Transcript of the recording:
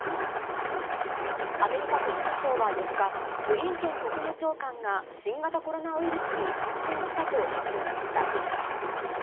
アメリカ国務省は４日、ブリンケン国務長官が新型コロナウイルスに感染したと発表しました。